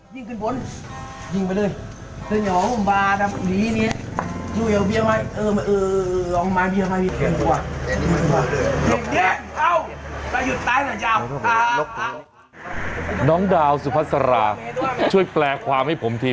เลี้ยงเด็กเด้าไปหยุดตายหน่อยเจ้าบ้าน้องดาวสุพศราช่วยแปลความให้ผมที่